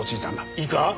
いいか？